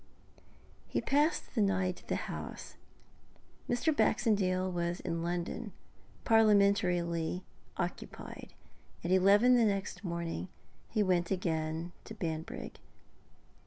He passed the night at the house. Mr. Baxendale was in London, parliamentarily occupied. At eleven next morning he went again to Banbrigg.